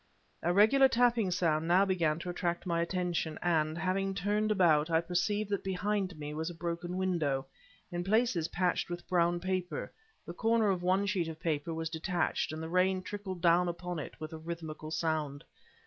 A regular tapping sound now began to attract my attention, and, having turned about, I perceived that behind me was a broken window, in places patched with brown paper; the corner of one sheet of paper was detached, and the rain trickled down upon it with a rhythmical sound.